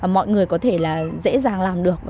mọi người có thể dễ dàng làm được